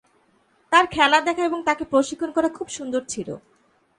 তার খেলা দেখা এবং তাকে প্রশিক্ষণ করা খুব সুন্দর ছিল।